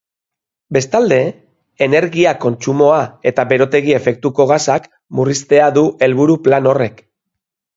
Bestalde, energia kontsumoa eta berotegi-efektuko gasak murriztea du helburu plan horrek.